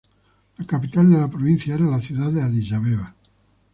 La capital de la provincia era la ciudad de Adís Abeba.